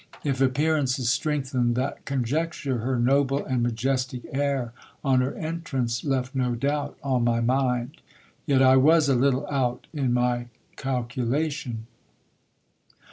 If appearances strengthened that conjecture, her noble and majestic air on her entrance left no doubt on my mind. Yet I was a little out in my calculation.